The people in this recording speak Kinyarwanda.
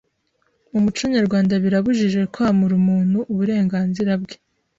Mu muco nyarwanda birabujijwe kwamura umuntu uburenganzira bwe